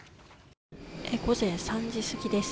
午前３時過ぎです。